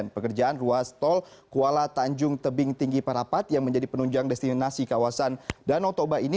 pekerjaan ruas tol kuala tanjung tebing tinggi parapat yang menjadi penunjang destinasi kawasan danau toba ini